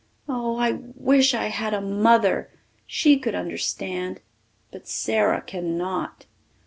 Oh, I wish I had a mother! She could understand. But Sara cannot.